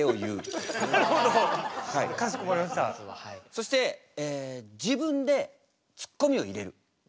そして自分でツッコミを入れる。